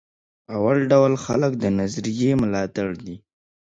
اول ډول خلک د نظریې ملاتړ دي.